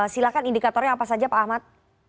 silahkan indikatornya apa saja pak ahmad